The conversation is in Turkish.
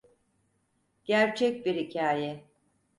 Gerçek bir hikaye.